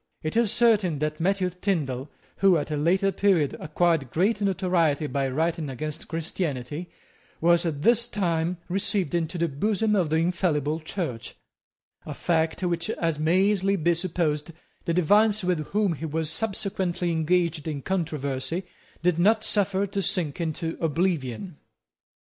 It is certain that Matthew Tindal, who, at a later period, acquired great notoriety by writing against Christianity, was at this time received into the bosom of the infallible Church, a fact which, as may easily be supposed, the divines with whom he was subsequently engaged in controversy did not suffer to sink into oblivion.